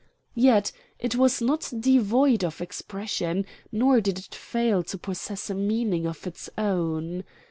Yet it was not devoid of expression, nor did it fail to possess a meaning of its own.